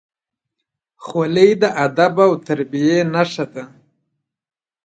خولۍ د ادب او تربیې نښه ده.